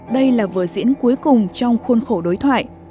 đây là vở diễn cuối cùng trong khuôn khổ đối thoại